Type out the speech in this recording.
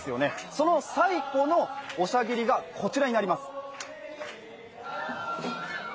その最古のおしゃぎりが、こちらになります。